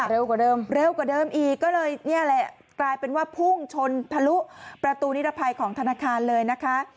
เร็วกว่าเดิมเร็วกว่าเดิมอีกก็เลยนี่แหละกลายเป็นว่าพุ่งชนทะลุประตูนิรภัยของธนาคารเลยนะคะ